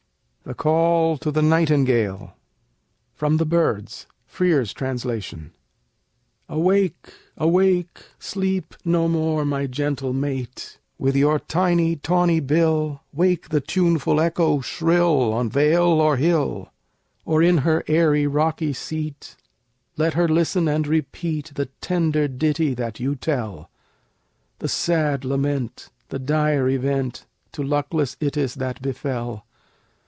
THE CALL TO THE NIGHTINGALE From 'The Birds ': Frere's Translation Awake! awake! Sleep no more, my gentle mate! With your tiny tawny bill, Wake the tuneful echo shrill, On vale or hill; Or in her airy rocky seat, Let her listen and repeat The tender ditty that you tell, The sad lament, The dire event, To luckless Itys that befell.